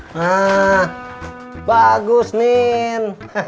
nah bagus nin